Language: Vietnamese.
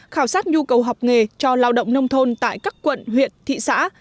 khảo sát nhu cầu học nghề cho lao động nông thôn tại các quận huyện thị xã